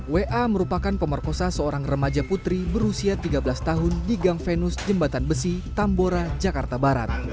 wa merupakan pemerkosa seorang remaja putri berusia tiga belas tahun di gang venus jembatan besi tambora jakarta barat